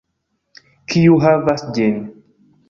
Kiu havas ĝin!